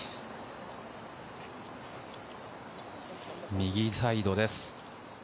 右サイドです。